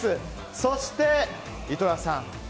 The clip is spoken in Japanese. そして、井戸田さん。